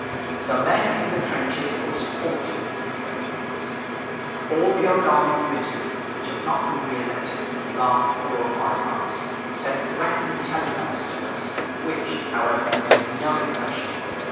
"The men in the trenches will support you," they told us. All the old army committees which had not been reelected for the last four or five months, sent threatening telegrams to us, which, however, made no impression.